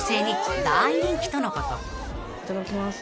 いただきます。